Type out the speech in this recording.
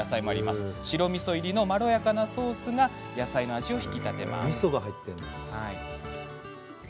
白みそ入りのまろやかなソースが野菜の味を引き立てます。